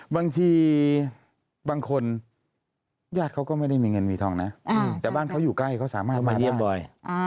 บางทีบางคนญาติเขาก็ไม่ได้มีเงินมีทองนะแต่บ้านเขาอยู่ใกล้เขาสามารถมาเยี่ยมบ่อย